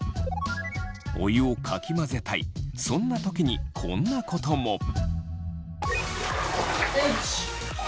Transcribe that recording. お湯をかき混ぜたいそんな時にこんなことも。